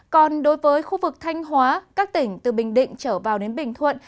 còn đối với khu vực thanh hóa các tỉnh từ bình định trở vào đến bình thuận